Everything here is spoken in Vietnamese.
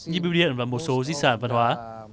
như biêu điện và một số di sản văn hóa